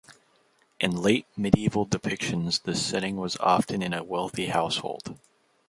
In late medieval depictions the setting was often in a wealthy household.